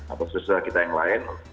apa sesuai kita yang lain